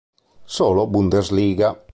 Solo Bundesliga.